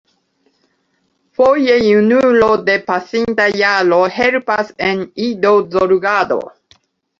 Foje junulo de pasinta jaro helpas en idozorgado.